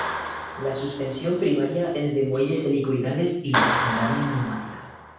La suspensión primaria es de muelles helicoidales y la secundaria neumática.